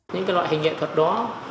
những loại hình nghệ thuật đó